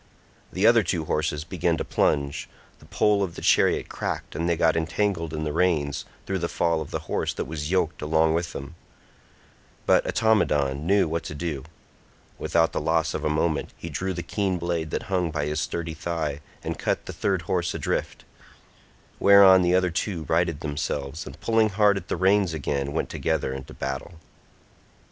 The other two horses began to plunge; the pole of the chariot cracked and they got entangled in the reins through the fall of the horse that was yoked along with them; but Automedon knew what to do; without the loss of a moment he drew the keen blade that hung by his sturdy thigh and cut the third horse adrift; whereon the other two righted themselves, and pulling hard at the reins again went together into battle.